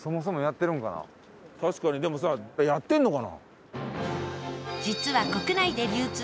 確かにでもさやってるのかな？